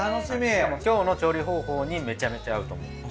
しかも今日の調理方法にめちゃめちゃ合うと思う。